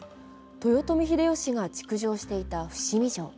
豊臣秀吉が築城していた伏見城。